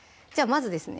まずですね